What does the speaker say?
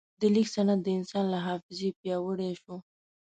د لیک سند د انسان له حافظې پیاوړی شو.